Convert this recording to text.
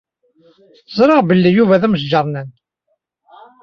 Ẓriɣ belli Yuba d amesjernan.